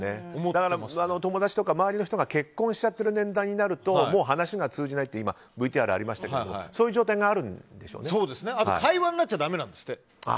友達とか周りの人が結婚しちゃってる年代になるともう話が通じないとＶＴＲにありましたがあと、会話になっちゃだめなんですって。